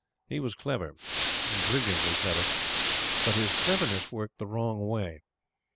He was clever brilliantly clever but his cleverness worked the wrong way.